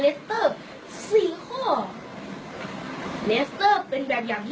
เลสเตอร์เป็นแบบอย่างที่ดีมีความตรงรับก็ดีแต่พอแห่งสันเด็จพระเจ้าอยู่หัว